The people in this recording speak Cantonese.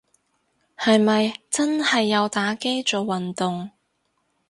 係咪真係有打機做運動